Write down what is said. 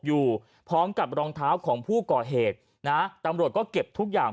อยู่พร้อมกับรองเท้าของผู้ก่อเหตุนะตำรวจก็เก็บทุกอย่าง